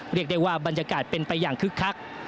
เรียกได้ว่าบรรยากาศเป็นไปอย่างคึกคัก